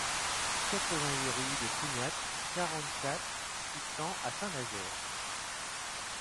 quatre-vingt-huit rue de Trignac, quarante-quatre, six cents à Saint-Nazaire